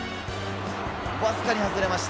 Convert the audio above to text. わずかに外れました。